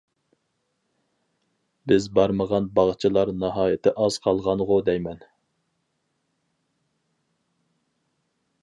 بىز بارمىغان باغچىلار ناھايىتى ئاز قالغانغۇ دەيمەن.